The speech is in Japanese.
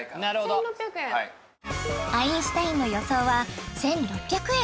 はいアインシュタインの予想は１６００円